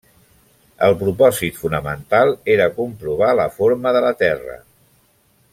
El propòsit fonamental era comprovar la forma de la Terra.